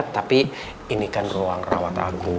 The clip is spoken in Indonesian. tapi ini kan ruang rawat aku